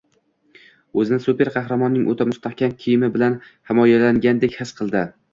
- O‘zini super qahramonning o‘ta mustahkam kiyimi bilan himoyalangandek his qildi.